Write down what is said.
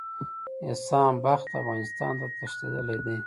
احسان بخت افغانستان ته تښتېدلی دی.